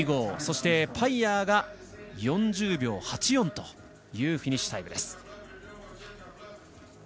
そしてパイヤーが４０秒８４というフィニッシュタイムです。